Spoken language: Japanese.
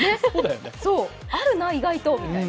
あるな、意外とみたいな。